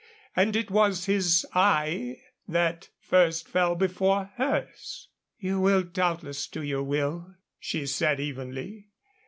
And it was his eye that first fell before hers. "You will doubtless do your will," she said, evenly.